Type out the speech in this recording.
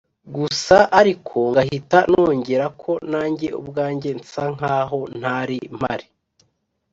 Gusa ariko ngahita nongera ko nanjye ubwanjye nsa nkaho nari mpari